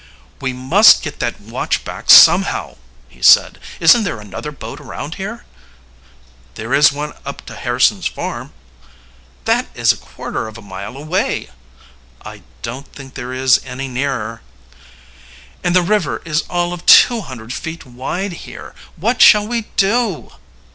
"We must get that watch back somehow!" he said. "Isn't there another boat around here?" "There is one up to Harrison's farm." "That is quarter of a mile away." "I don't think there is any nearer." "And the river is all of two hundred feet wide here! What shall we do?"